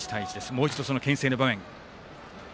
もう一度、けん制の場面を。